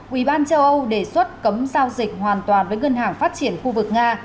ủy ban châu âu đề xuất cấm giao dịch hoàn toàn với ngân hàng phát triển khu vực nga